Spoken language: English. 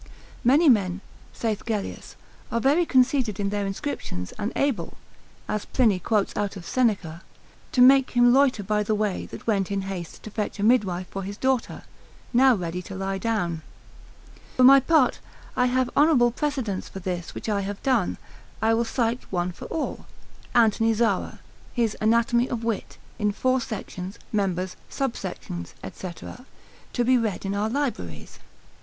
Many men, saith Gellius, are very conceited in their inscriptions, and able (as Pliny quotes out of Seneca) to make him loiter by the way that went in haste to fetch a midwife for his daughter, now ready to lie down. For my part, I have honourable precedents for this which I have done: I will cite one for all, Anthony Zara, Pap. Epis., his Anatomy of Wit, in four sections, members, subsections, &c., to be read in our libraries.